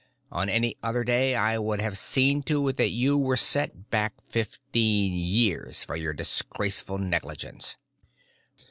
On any other day I would have seen to it that you were set back fifteen years for your disgraceful negligence."